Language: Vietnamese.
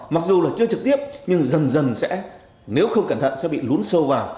mặc dù là chưa trực tiếp nhưng dần dần sẽ nếu không cẩn thận sẽ bị lún sâu vào